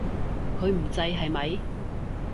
佢唔制，係咪？